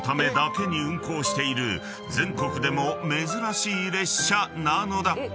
［全国でも珍しい列車なのだ］